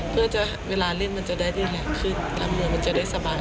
เพื่อจะเวลาเล่นมันจะได้แรงขึ้นทำเหมือนมันจะได้สบาย